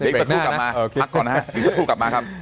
อีกสักครู่กลับมาพักก่อนฮะอีกสักครู่กลับมาครับ